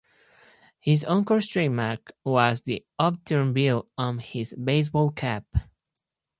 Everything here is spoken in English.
His on-course trademark was the upturned bill on his baseball cap.